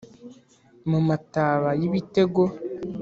mu mataba y’ibitego